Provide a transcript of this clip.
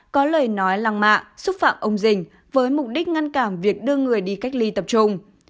có lời nói lăng mạ xúc phạm ông dình với mục đích ngăn cản việc đưa người đi cách ly tập trung